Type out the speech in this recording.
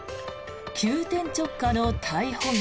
急転直下の逮捕劇。